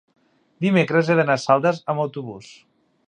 dimecres he d'anar a Saldes amb autobús.